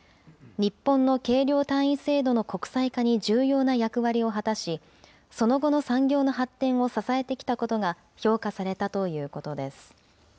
日本の計量単位制度の国際化に重要な役割を果たし、その後の産業の発展を支えてきたことが評価されたということです。